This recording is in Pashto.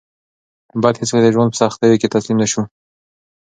باید هېڅکله د ژوند په سختیو کې تسلیم نه شو.